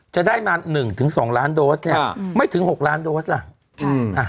จะได้มา๑๒ล้านโดสเนี่ยไม่ถึง๖ล้านโดสล่ะ